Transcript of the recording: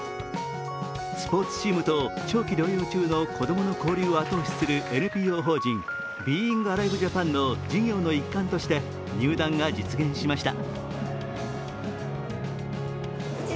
スポーツチームと長期療養中の子供の交流を後押しするＮＰＯ法人ＢｅｉｎｇＡＬＩＶＥＪａｐａｎの事業の一環として入団が実現しました。